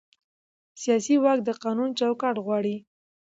سیاسي واک د قانون چوکاټ غواړي